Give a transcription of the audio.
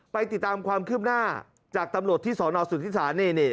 ไปติดตามความคืบหน้าจากตำรวจที่สนสุธิศาล